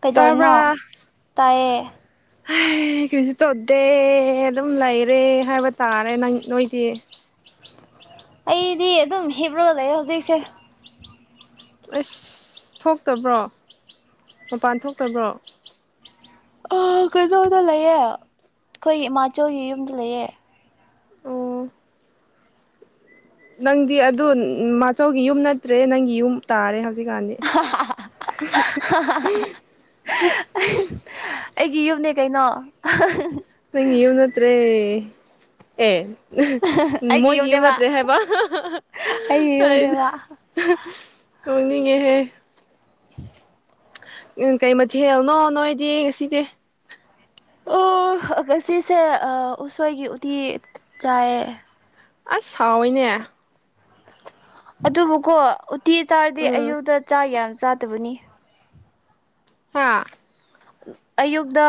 ꯀꯩꯗꯧꯔꯤꯅꯣ ꯇꯥꯕ꯭ꯔꯥ ꯇꯥꯏꯌꯦ [inaudible] ꯑꯩ ꯀꯩꯁꯨ ꯇꯧꯗꯦ ꯑꯗꯨꯝ ꯂꯩꯔꯦ ꯍꯥꯏꯕ ꯇꯥꯔꯦ ꯅꯣꯏꯗꯤ ꯑꯩꯗꯤ ꯑꯗꯨꯝ ꯍꯤꯞꯄꯒ ꯂꯩꯌꯦ ꯍꯧꯖꯤꯛꯁꯦ ꯑꯁ ꯊꯣꯛꯇꯕ꯭ꯔꯣ ꯃꯄꯥꯟ ꯊꯣꯛꯇꯕ꯭ꯔꯣ ꯑ ꯀꯩꯅꯣꯗ ꯂꯩꯑꯦ ꯑꯩꯈꯣꯏ ꯏꯃꯥꯆꯧꯒꯤ ꯌꯨꯝꯗ ꯂꯩꯌꯦ ꯑꯣ ꯅꯪꯗꯤ ꯑꯗꯨ ꯃꯥꯆꯧꯒꯤ ꯌꯨꯝ ꯅꯠꯇ꯭ꯔꯦ ꯅꯪꯒꯤ ꯌꯨꯝ ꯇꯥꯔꯦ ꯍꯧꯖꯤꯛꯀꯥꯟꯗꯤ ꯑꯩꯒꯤ ꯌꯨꯝꯅꯦ ꯀꯩꯅꯣ ꯅꯪꯒꯤ ꯌꯨꯝ ꯅꯠꯇ꯭ꯔꯦ ꯑꯩꯒꯤ ꯃꯣꯏꯒꯤ ꯌꯨꯝ ꯌꯨꯝꯅꯦꯕ ꯅꯠꯇ꯭ꯔꯦ ꯍꯥꯏꯕ ꯑꯩꯒꯤ ꯍꯥꯏꯗ ꯌꯨꯝꯅꯦꯕ ꯅꯣꯛꯅꯤꯡꯉꯦꯍꯦ [inaudible] ꯀꯔꯤ ꯃꯊꯦꯜꯅꯣ ꯅꯣꯏꯗꯤ ꯉꯁꯤꯗꯤ ꯉꯁꯤꯁꯦ ꯎꯁꯣꯏꯒꯤ ꯎꯇꯤ ꯆꯥꯏꯌꯦ ꯑꯁ ꯍꯥꯎꯏꯅꯦ ꯑꯗꯨꯕꯨꯀꯣ ꯎꯇꯤ ꯆꯥꯔꯗꯤ ꯎꯝ ꯑꯌꯨꯛꯇ ꯆꯥꯛ ꯌꯥꯝ ꯆꯥꯗꯕꯅꯤ ꯍꯥ ꯑꯌꯨꯛꯇ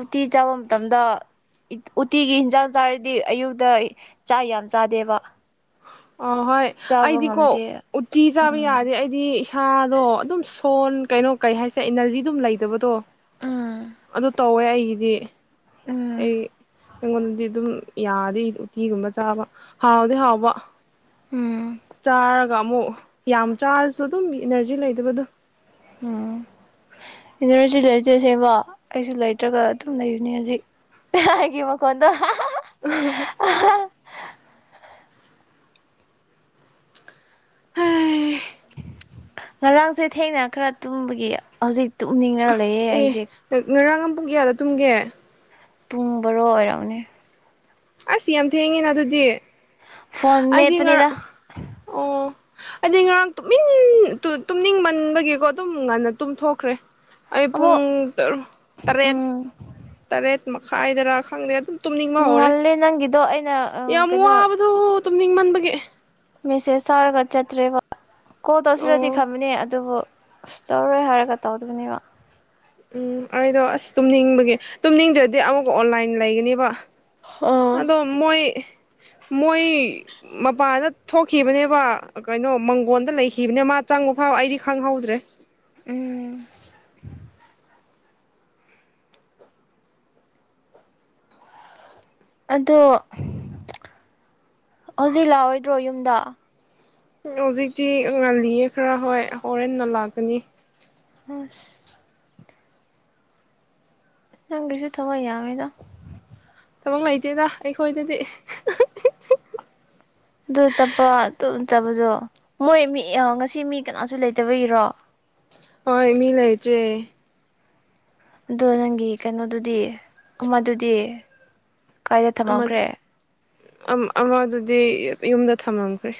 ꯎꯇꯤ ꯆꯥꯕ ꯃꯇꯝꯗ ꯎꯇꯤꯒꯤ ꯑꯦꯟꯖꯥꯡ ꯆꯥꯔꯗꯤ ꯑꯌꯨꯛꯇ ꯆꯥꯛ ꯌꯥꯝ ꯆꯥꯗꯦꯕ ꯑ ꯍꯣꯏ ꯆꯥꯕ ꯑꯩꯗꯤꯀꯣ ꯉꯝꯗꯦ ꯎꯇꯤ ꯆꯥꯕ ꯎꯝ ꯌꯥꯗꯦ ꯑꯩꯗꯤ ꯁꯥꯗꯣ ꯑꯗꯨꯝ ꯁꯣꯟ ꯀꯩꯅꯣ ꯀꯩ ꯍꯥꯏꯁꯦ ꯏꯅ꯭ꯔꯖꯤ ꯑꯗꯨꯝ ꯂꯩꯇꯕꯗꯣ ꯎꯝ ꯑꯗꯨ ꯇꯧꯋꯦ ꯑꯩꯒꯤꯗꯤ ꯑꯩ ꯎꯝ ꯑꯩꯉꯣꯟꯗꯗꯤ ꯑꯗꯨꯝ ꯌꯥꯗꯤ ꯎꯇꯤꯒꯨꯝꯕ ꯆꯥꯕ ꯍꯥꯎꯗꯤ ꯍꯥꯎꯕ ꯎꯝ ꯆꯥꯔꯒ ꯑꯃꯨꯛ ꯌꯥꯝ ꯆꯥꯔꯁꯨ ꯑꯗꯨꯝ ꯏꯅ꯭ꯔꯖꯤ ꯂꯩꯇꯕꯗꯣ ꯎꯝ ꯏꯅꯔꯖꯤ ꯂꯩꯇꯦ ꯁꯦꯕ ꯑꯩꯁꯨ ꯂꯩꯇ꯭ꯔꯒ ꯑꯗꯨꯝ ꯂꯩꯕꯅꯦ ꯍꯖꯤꯛ ꯑꯩꯒꯤ ꯃꯈꯣꯟꯗꯣ [unintelligible] ꯍꯩ ꯉꯔꯥꯡꯁꯦ ꯊꯦꯡꯅ ꯈꯔ ꯇꯨꯝꯕꯒꯤ ꯍꯧꯖꯤꯛ ꯇꯨꯝꯅꯤꯡꯔ ꯑꯦ ꯉꯔꯥꯡ ꯄꯨꯡ ꯀꯌꯥꯗ ꯇꯨꯝꯒꯦ ꯄꯨꯡ ꯕꯔꯣ ꯑꯣꯏꯔꯝꯒꯅꯤ ꯑꯁ ꯌꯥꯝ ꯊꯦꯡꯉꯦꯅ ꯑꯗꯨꯗꯤ ꯐꯣꯟ ꯑꯩꯗꯤ ꯉꯔꯥ ꯃꯦꯠꯄꯅꯤꯗ ꯑꯣ ꯍꯥꯏꯗꯤ ꯉꯔꯥꯡ ꯇꯨ ꯇꯨ ꯇꯨꯝꯅꯤꯡ ꯃꯟꯕꯒꯤꯀꯣ ꯗꯨꯝ ꯉꯟꯅ ꯇꯨꯝꯊꯣꯛꯈ꯭ꯔꯦ ꯑꯩ ꯄꯨꯡ ꯑꯃꯨꯛ ꯇꯔꯨꯛ ꯇꯔꯦꯠ ꯎꯝ ꯇꯔꯦꯠ ꯃꯈꯥꯏꯗꯔꯥ ꯈꯪꯗꯦ ꯑꯗꯨꯝ ꯇꯨꯝꯅꯤꯡꯕ ꯍꯧꯔꯦ ꯉꯜꯂꯦ ꯅꯪꯒꯤꯗꯣ ꯑꯩꯅ ꯑꯥ ꯌꯥꯝ ꯀꯩꯅꯣ ꯋꯥꯕꯗꯣ ꯇꯨꯝꯅꯤꯡꯃꯟꯕꯒꯤ ꯃꯦꯁꯦꯁ ꯊꯥꯔꯒ ꯆꯠꯇ꯭ꯔꯦꯕ ꯀꯣꯜ ꯇꯧꯁꯤꯔꯗꯤ ꯑꯣ ꯈꯝꯕꯅꯦ ꯑꯗꯨꯕꯨ ꯑꯁ ꯇꯧꯔꯣꯏ ꯍꯥꯏꯔꯒ ꯇꯧꯗꯕꯅꯦꯕ ꯎꯝ ꯑꯩꯗꯣ ꯑꯁ ꯇꯨꯝꯅꯤꯡꯕꯒꯤ ꯇꯨꯝꯅꯤꯡꯗ꯭ꯔꯗꯤ ꯑꯃꯨꯛꯀ ꯑꯣꯟꯂꯥꯏꯟ ꯂꯩꯒꯅꯤꯕ ꯑꯣ ꯑꯗꯣ ꯃꯣꯏ ꯃꯣꯏ ꯃꯄꯥꯟꯗ ꯊꯣꯛꯈꯤꯕꯅꯦꯕ ꯀꯩꯅꯣ ꯃꯪꯒꯣꯟꯗ ꯂꯩꯈꯤꯕꯅꯦ ꯃꯥ ꯆꯪꯕ ꯐꯥꯎ ꯑꯩꯗꯤ ꯈꯪꯍꯧꯗ꯭ꯔꯦ ꯎꯝ ꯑꯗꯣ ꯍꯧꯖꯤꯛ ꯂꯥꯛꯑꯣꯏꯗ꯭ꯔꯣ ꯌꯨꯝꯗ ꯍꯧꯖꯤꯛꯇꯤ ꯉꯜꯂꯤꯌꯦ ꯈꯔ ꯍꯣꯏ ꯍꯣꯔꯦꯟꯅ ꯂꯥꯛꯀꯅꯤ ꯍꯁ ꯅꯪꯒꯤꯁꯨ ꯊꯕꯛ ꯌꯥꯝꯃꯦꯗ ꯊꯕꯛ ꯂꯩꯇꯦꯗ ꯑꯩꯈꯣꯏꯗꯗꯤ ꯑꯗꯨ ꯆꯠꯄ ꯑꯗꯨ ꯆꯕꯗꯣ ꯃꯣꯏ ꯃꯤ ꯉꯁꯤ ꯃꯤ ꯀꯅꯥꯁꯨ ꯂꯩꯇꯕꯒꯤꯔꯣ ꯍꯣꯏ ꯃꯤ ꯂꯩꯇ꯭ꯔꯦ ꯑꯗꯣ ꯅꯪꯒꯤ ꯀꯩꯅꯣꯗꯨꯗꯤ ꯑꯃꯗꯨꯗꯤ ꯀ꯭ꯔꯥꯏꯗ ꯊꯝꯃꯝꯈ꯭ꯔꯦ ꯑꯝ ꯑꯃꯗꯨꯗꯤ ꯌꯨꯝꯗ ꯊꯝꯃꯝꯈ꯭ꯔꯦ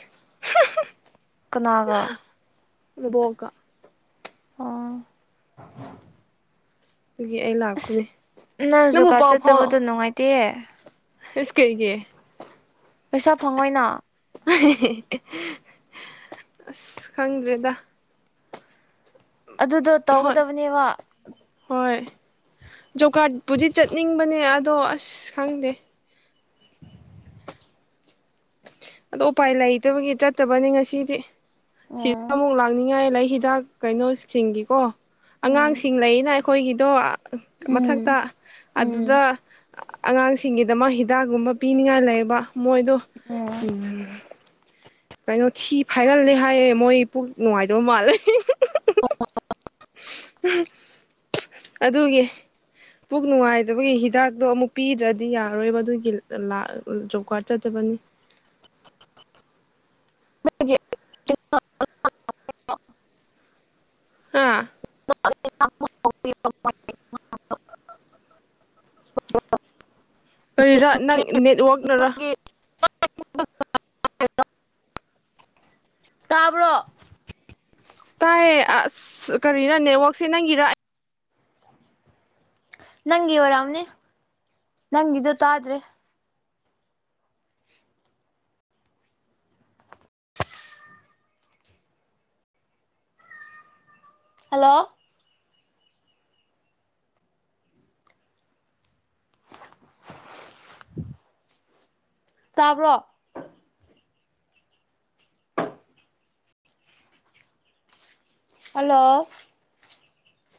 ꯀꯅꯥꯒ ꯏꯕꯣꯛꯀꯥ ꯑꯣ ꯑꯗꯨꯒꯤ ꯑꯩ ꯑꯁ ꯂꯥꯛꯄꯅꯦ ꯅꯪ ꯅꯪꯕꯨ ꯖꯨꯒꯥꯥꯠ ꯆꯠꯇꯕꯗꯣ ꯅꯨꯡꯉꯥꯏꯇꯦ ꯏꯁ ꯀꯩꯒꯤ ꯄꯩꯁꯥ ꯐꯪꯉꯣꯏꯅ [unintelligible] ꯑꯁ ꯈꯪꯗ꯭ꯔꯦꯗ ꯑꯗꯨꯗꯣ ꯍꯣꯏ ꯇꯧꯒꯗꯕꯅꯦꯕ ꯍꯣꯏ ꯖꯣꯕ ꯀꯥꯔꯠ ꯄꯨꯗꯤ ꯆꯠꯅꯤꯡꯕꯅꯦ ꯑꯗꯣ ꯑꯁ ꯈꯪꯗꯦ ꯑꯗꯣ ꯎꯄꯥꯏ ꯂꯩꯇꯕꯒꯤ ꯆꯠꯇꯕꯅꯤ ꯉꯁꯤꯗꯤ ꯁꯤꯗ ꯎꯝ ꯑꯃꯨꯛ ꯂꯥꯛꯅꯤꯡꯉꯥꯏ ꯂꯩ ꯍꯤꯗꯥꯛ ꯀꯩꯅꯣꯁꯤꯡꯒꯤꯀꯣ ꯎꯝ ꯑꯉꯥꯡꯁꯤꯡ ꯂꯩꯅ ꯑꯩꯈꯣꯏꯒꯤꯗꯣ ꯃꯊꯛꯇ ꯎꯝ ꯎꯝ ꯑꯗꯨꯗ ꯑꯉꯥꯡꯁꯤꯡꯒꯤꯗꯃꯛ ꯍꯤꯗꯥꯛꯒꯨꯝꯕ ꯄꯤꯅꯤꯡꯉꯥꯏ ꯂꯩꯕ ꯃꯣꯏꯗꯣ ꯎꯝ ꯎꯝ ꯀꯩꯅꯣ ꯊꯤ ꯐꯥꯏꯒꯜꯂꯦ ꯍꯥꯏꯌꯦ ꯃꯣꯏ ꯄꯨꯛ ꯅꯨꯡꯉꯥꯏꯗꯕ ꯃꯥꯜꯂꯦ [inaudible] ꯑꯗꯨꯒꯤ ꯄꯨꯛ ꯅꯨꯡꯉꯥꯏꯗꯕꯒꯤ ꯍꯤꯗꯥꯛꯗꯣ ꯑꯃꯨꯛ ꯄꯤꯗ꯭ꯔꯗꯤ ꯌꯥꯔꯣꯏꯕ ꯑꯗꯨꯒꯤ ꯂꯥꯛ ꯖꯣꯕ ꯀꯥꯔꯗ ꯆꯠꯇꯕ ꯕꯅꯤ [unintelligible] ꯅꯪꯒꯤ ꯀꯩ ꯅꯣ ꯑ ꯑ [unintelligible] ꯍꯥꯥ [unintelligible] ꯀꯔꯤꯔꯥ ꯅꯪ ꯅꯦꯠꯋꯛꯅꯔꯥ ꯇꯥꯕ꯭ꯔꯣ ꯇꯥꯏꯑꯦ ꯑꯁ ꯀꯔꯤꯔ ꯅꯦꯠꯋꯥꯛꯁꯦ ꯅꯪꯒꯤꯔ ꯅꯪꯒꯤ ꯑꯣꯏꯔꯝꯅꯤ ꯅꯪꯒꯤꯗꯨ ꯇꯥꯗ꯭ꯔꯦ ꯍꯜꯂꯣ ꯇꯥꯕ꯭ꯔꯣ ꯍꯜꯂꯣ